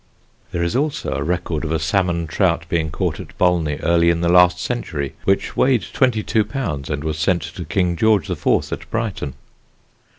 There is also a record of a salmon trout being caught at Bolney early in the last century, which weighed 22lbs. and was sent to King George IV. at Brighton.